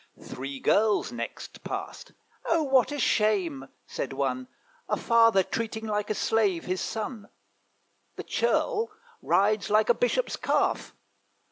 Three girls next passed: 'Oh, what a shame!' says one, 'A father treating like a slave his son! The churl rides like a bishop's calf.